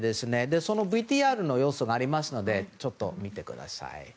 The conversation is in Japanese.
そのＶＴＲの様子がありますので見てください。